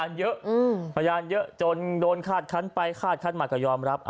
เพื่อนเยอะจนโดนฆาตคั้นไปฆาตคั้นมาก็ยอมรับ